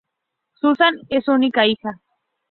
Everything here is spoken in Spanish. Susan es su única hija.